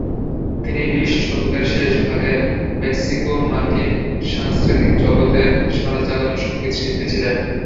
তিনি বিশ শতকের শেষ ভাগের মেক্সিকো-মার্কিন সাংস্কৃতিক জগতের সাড়া জাগানো সংগীত শিল্পী ছিলেন।